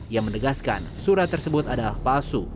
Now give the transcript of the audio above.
ia menegaskan surat tersebut adalah palsu